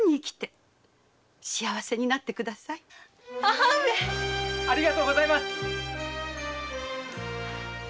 母上ありがとうございます。